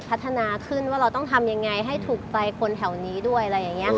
พัฒนาขึ้นว่าเราต้องทำยังไงให้ถูกใจคนแถวนี้ด้วยอะไรอย่างนี้ค่ะ